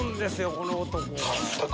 この男は。